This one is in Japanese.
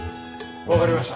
わかりました。